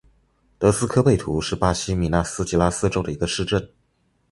德斯科贝图是巴西米纳斯吉拉斯州的一个市镇。